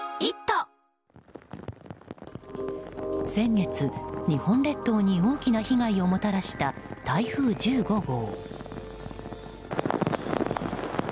先月、日本列島に大きな被害をもたらした台風１５号。